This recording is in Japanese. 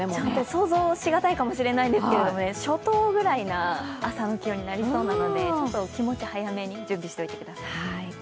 想像しがたいかもしれないですけど、初冬くらいの朝の気温になりますので気持ち早めに準備しておいてください。